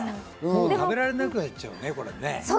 食べられなくなっちゃうね、これ。